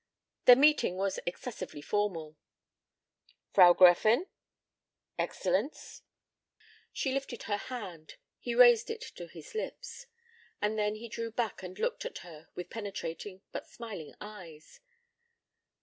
Their meeting was excessively formal. "Frau Gräfin." "Excellenz." She lifted her hand. He raised it to his lips. And then he drew back and looked at her with penetrating but smiling eyes.